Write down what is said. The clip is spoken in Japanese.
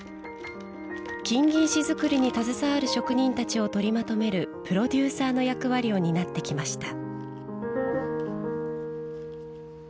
金銀糸作りに携わる職人たちを取りまとめるプロデューサーの役割を担ってきました。